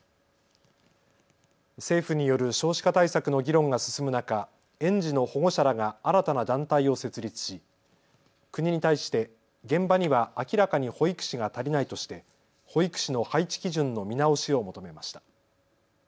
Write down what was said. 政府による少子化対策の議論が進む中、園児の保護者らが新たな団体を設立し国に対して現場には明らかに保育士が足りないとして保育士の配置基準の見直しを求めました。